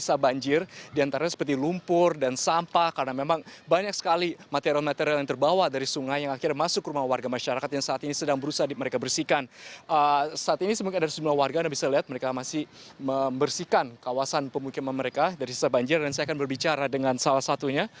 saat ini mungkin ada sejumlah warga yang bisa lihat mereka masih membersihkan kawasan pemukiman mereka dari sisa banjir dan saya akan berbicara dengan salah satunya